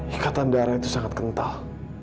ikatan daerah itu sangat kental